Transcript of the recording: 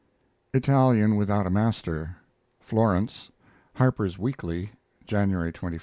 ITALIAN WITHOUT A MASTER (Florence) Harper's Weekly, January 21, 1904.